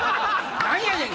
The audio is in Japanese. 何やねん！